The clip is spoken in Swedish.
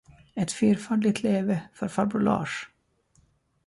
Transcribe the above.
Ett fyrfaldigt leve för farbror Lars!